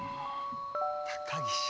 高岸！